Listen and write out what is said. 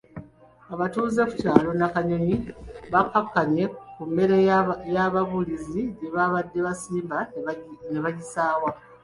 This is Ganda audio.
Abatuuze ku kyalo Nakanyonyi bakkakkanye ku mmere y'ababuulizi gye babadde baasimba ne bagisaawa.